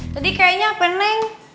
tadi kayaknya apa neng